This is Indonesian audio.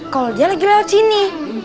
kalau dia lagi lewat sini